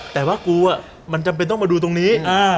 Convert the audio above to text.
แต่ว่ากูมันจำเป็นต้องมาดูตรงนี้